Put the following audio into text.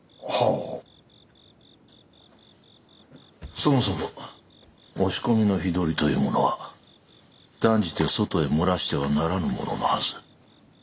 そもそも押し込みの日取りというものは断じて外へ漏らしてはならぬもののはず。